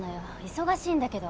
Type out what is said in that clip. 忙しいんだけど。